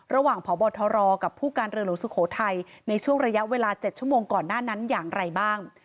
พบทรกับผู้การเรือหลวงสุโขทัยในช่วงระยะเวลา๗ชั่วโมงก่อนหน้านั้นอย่างไรบ้าง